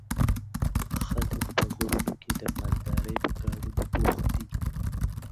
خلک په غرونو کې د مالدارۍ په کارونو بوخت دي.